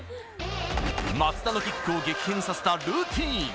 松田のキックを激変させたルーティン。